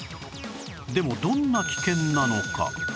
でもどんな危険なのか？